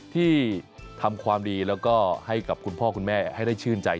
ที่ทำความดีแล้วก็ให้กับคุณพ่อคุณแม่ให้ได้ชื่นใจ